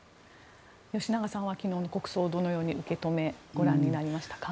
吉永さんは昨日の国葬をどのように受け止めご覧になりましたか。